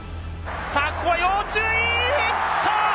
さあここは要注意っと！